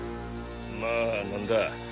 まあ何だ。